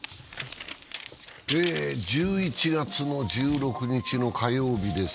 １１月１６日の火曜日です。